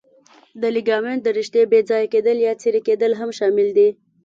د لیګامنت د رشتې بې ځایه کېدل یا څیرې کېدل هم شامل دي.